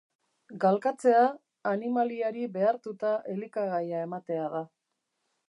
Galkatzea animaliari behartuta elikagaia ematea da.